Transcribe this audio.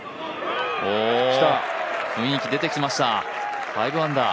雰囲気出てきました、５アンダー。